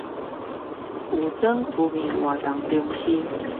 舊莊區民活動中心